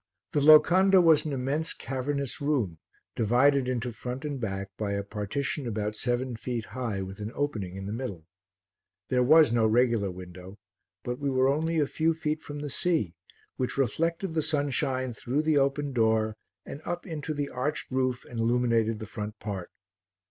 The locanda was an immense, cavernous room divided into front and back by a partition about seven feet high with an opening in the middle. There was no regular window, but we were only a few feet from the sea which reflected the sunshine through the open door and up into the arched roof and illuminated the front part.